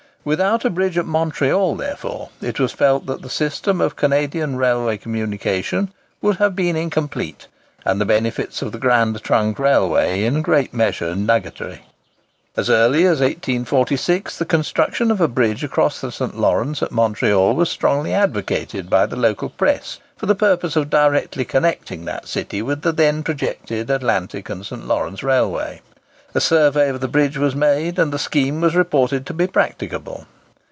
Without a bridge at Montreal, therefore, it was felt that the system of Canadian railway communication would have been incomplete, and the benefits of the Grand Trunk Railway in a great measure nugatory. As early as 1846 the construction of a bridge across the St. Lawrence at Montreal was strongly advocated by the local press for the purpose of directly connecting that city with the then projected Atlantic and St. Lawrence Railway. A survey of the bridge was made, and the scheme was reported to be practicable.